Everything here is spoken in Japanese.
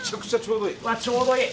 うわちょうどいい！